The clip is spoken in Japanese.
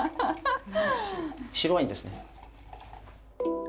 白ワインですね。